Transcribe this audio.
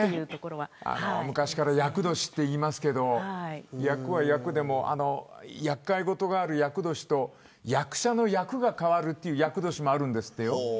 昔から厄年と言いますけどやくはやくでも厄介事がある厄年と役者の役が変わるという役年もあるんですってよ。